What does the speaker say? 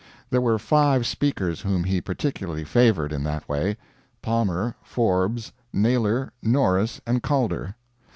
There were five speakers whom he particularly favored in that way: Palmer, Forbes, Naylor, Norris, and Calder.